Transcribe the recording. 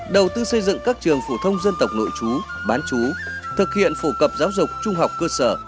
đầu tư xây dựng các trường phổ thông dân tộc nội chú bán chú thực hiện phổ cập giáo dục trung học cơ sở